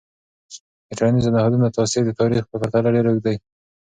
د ټولنیزو نهادونو تاثیر د تاریخ په پرتله ډیر اوږد دی.